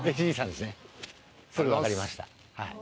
すぐ分かりました。